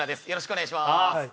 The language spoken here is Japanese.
よろしくお願いします